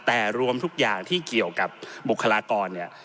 แต่รวมทุกอย่างที่เกี่ยวกับบุคลากรเนี่ย